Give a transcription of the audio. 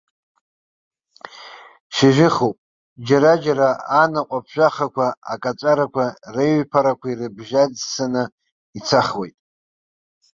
Шьыжьыхуп, џьара-џьара анаҟә ԥжәахақәа акаҵәарақәа реиҩԥарақәа ирыбжьаӡсаны ицахуеит.